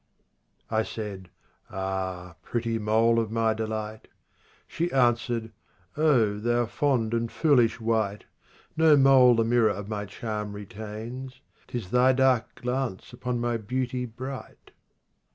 13 I said " Ah ! pretty mole of my delight !" She answered, " O thou fond and foolish wight ! No mole the mirror of my charm retains, 'Tis thy dark glance upon my beauty bright."